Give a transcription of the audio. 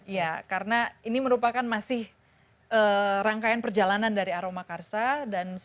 ya karena ini merupakan masih rangkaian perjalanan dari aroma karsa